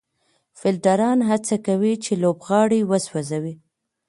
فېلډران هڅه کوي، چي لوبغاړی وسوځوي.